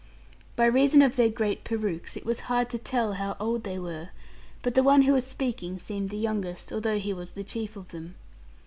By reason of their great perukes it was hard to tell how old they were; but the one who was speaking seemed the youngest, although he was the chief of them.